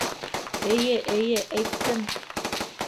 Эйе, эйе, әйттем...